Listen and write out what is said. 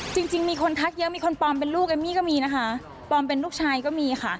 จริงมีคนทักเยอะมีคนปลอมเป็นลูกเอมมี่ก็มีนะคะ